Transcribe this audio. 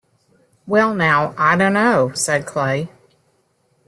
“Well now, I dunno,” said Clay.